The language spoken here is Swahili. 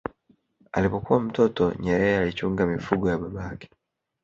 Alipokuwa mtoto Nyerere alichunga mifugo ya babake